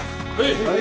はい！